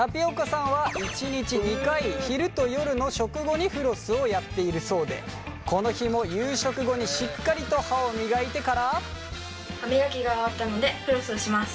さんは１日２回昼と夜の食後にフロスをやっているそうでこの日も夕食後にしっかりと歯を磨いてから。